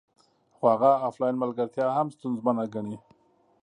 خو هغه افلاین ملګرتیا هم ستونزمنه ګڼي